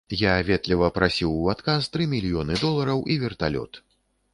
Я ветліва прасіў у адказ тры мільёны долараў і верталёт.